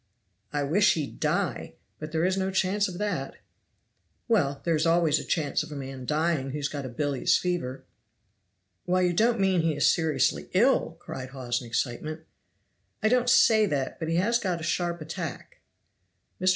"I wish he'd die! But there is no chance of that." "Well, there is always a chance of a man dying who has got a bilious fever." "Why you don't mean he is seriously ill?" cried Hawes in excitement. "I don't say that, but he has got a sharp attack." Mr.